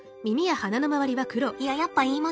いややっぱ言います。